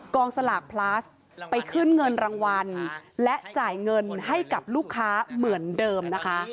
สลากพลัสไปขึ้นเงินรางวัลและจ่ายเงินให้กับลูกค้าเหมือนเดิมนะคะ